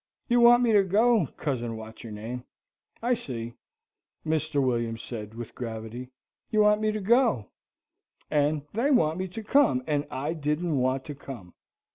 "You want me to go, Cousin What's your name, I see," Mr. William said, with gravity. "You want me to go, and they want me to come, and I didn't want to come.